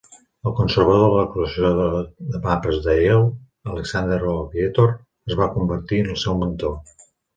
El conservador de la col·lecció de mapes de Yale, Alexander O. Vietor, es va convertir en el seu mentor.